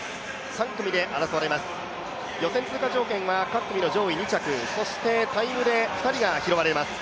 ３組で争われます、予選通過条件は各組の上位２着、そしてタイムで２人が拾われます。